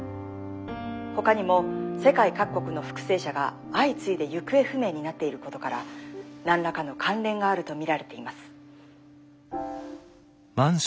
ほかにも世界各国の復生者が相次いで行方不明になっていることから何らかの関連があると見られています」。